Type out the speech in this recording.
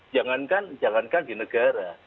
jangankan di negara